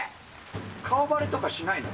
顔ばれとかしないの？